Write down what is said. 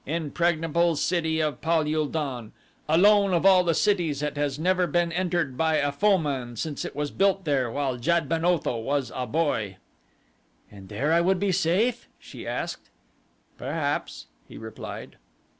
Impregnable city of Pal ul don alone of all the cities it has never been entered by a foeman since it was built there while Jad ben Otho was a boy." "And there I would be safe?" she asked. "Perhaps," he replied.